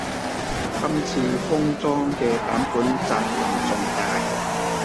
今次封裝嘅版本責任重大